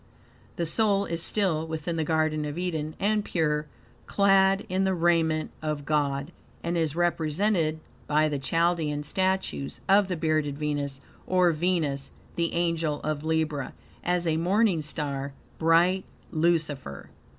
The soul is still within the Garden of Eden and pure, clad in the raiment of God, and is represented by the Chaldean statues of "The Bearded Venus," or Venus, the Angel of Libra, as a morning star, bright Lucifer.